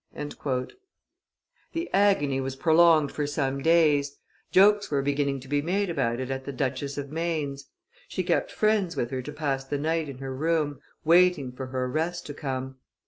'" The agony was prolonged for some days; jokes were beginning to be made about it at the Duchess of Maine's; she kept friends with her to pass the night in her room, waiting for her arrest to come.